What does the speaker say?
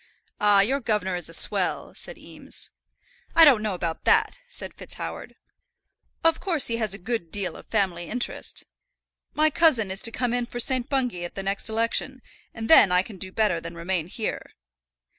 "Ah, your governor is a swell," said Eames. "I don't know about that," said FitzHoward. "Of course he has a good deal of family interest. My cousin is to come in for St. Bungay at the next election, and then I can do better than remain here."